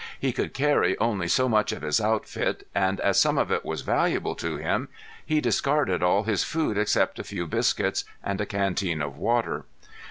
He could carry only so much of his outfit, and as some of it was valuable to him he discarded all his food except a few biscuits, and a canteen of water.